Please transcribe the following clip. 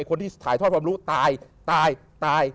คนที่ถ่ายทอดความรู้ตายตายตาย